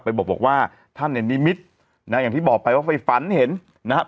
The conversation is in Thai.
บอกว่าท่านเนี่ยนิมิตรนะอย่างที่บอกไปว่าไปฝันเห็นนะครับ